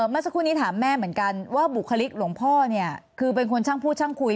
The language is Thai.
เมื่อสักครู่นี้ถามแม่เหมือนกันว่าบุคลิกหลวงพ่อเนี่ยคือเป็นคนช่างพูดช่างคุย